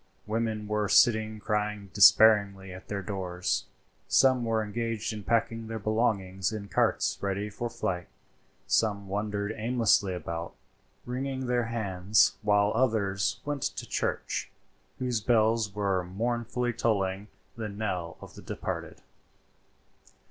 Women were sitting crying despairingly at their doors. Some were engaged in packing their belongings in carts ready for flight. Some wandered aimlessly about, wringing their hands, while others went to the church, whose bells were mournfully tolling the knell of the departed.